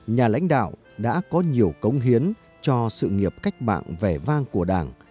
nhà lãnh đạo đã có nhiều công hiến cho sự nghiệp cách mạng vẻ vang của đảng